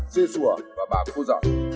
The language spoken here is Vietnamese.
dê sủa và bà cô giỏ